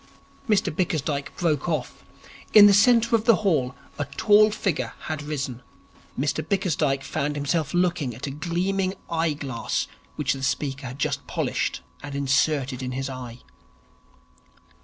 Mr Bickersdyke broke off. In the centre of the hall a tall figure had risen. Mr Bickersdyke found himself looking at a gleaming eye glass which the speaker had just polished and inserted in his eye.